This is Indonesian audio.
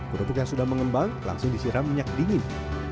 kerupuk yang sudah mengembang langsung disiram minyak dingin